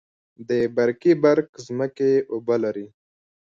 د برکي برک ځمکې اوبه لري